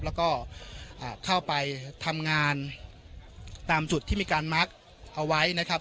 แล้วก็เข้าไปทำงานตามจุดที่มีการมักเอาไว้นะครับ